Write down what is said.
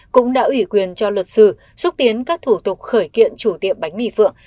cũng đã ủy quyền cho luật sư xúc tiến các thủ tục khởi kiện chủ tiệm bánh mì phượng